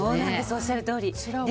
おっしゃるとおり。